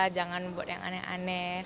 jangan buat yang aneh aneh